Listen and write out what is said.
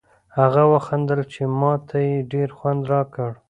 هغه و خندل چې ما ته یې ډېر خوند راکړ.